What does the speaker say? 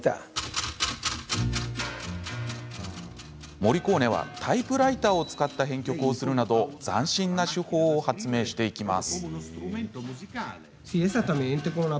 モリコーネはタイプライターを使った編曲をするなど斬新な手法を発明していきます。